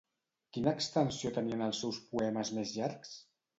Quina extensió tenien els seus poemes més llargs?